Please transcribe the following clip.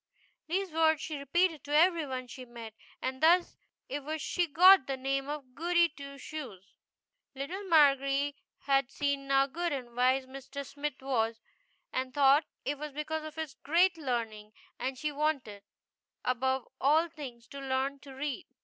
These words she re peated to every one she met, and thus it was she got the name of Goody Two Shoes Little Margery had seen now good and wise Mr. Smith was, and thought it was because of his great learning ; and she wanted, above all things, to learn to read.